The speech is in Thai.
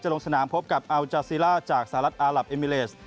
ลงสนามพบกับอัลจาซีล่าจากสหรัฐอาหลับเอมิเลส